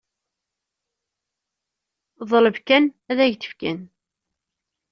Ḍleb kan, ad k-d-fken.